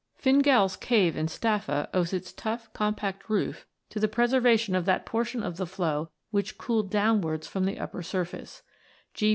Fingal's Cave in Stafla owes its tough compact roof to the preservation of that portion of the flow which cooled downwards from the upper surface.